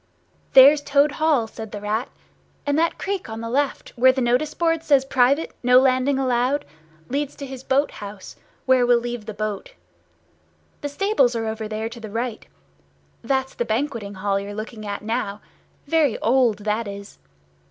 "There's Toad Hall," said the Rat; "and that creek on the left, where the notice board says, 'Private. No landing allowed,' leads to his boat house, where we'll leave the boat. The stables are over there to the right. That's the banqueting hall you're looking at now—very old, that is.